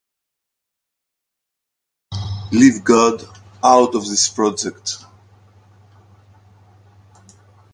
Leave god out of this project.